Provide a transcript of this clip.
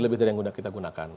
lebih dari yang sudah kita gunakan